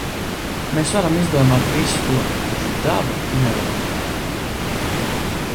Mēs varam izdomāt visu ko, taču dabu nevaram izmainīt.